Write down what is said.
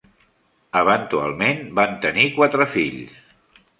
Eventualment van tenir quatre fills.